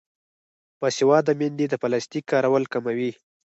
باسواده میندې د پلاستیک کارول کموي.